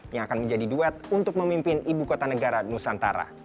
yang akan menjadi duet untuk memimpin ibu kota negara nusantara